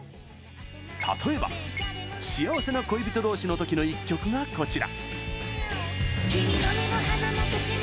例えば「幸せな恋人同士」のときの一曲がこちら！